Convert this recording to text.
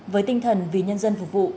với tinh thần vì nhân dân phục vụ